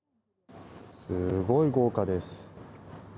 すごい豪華です。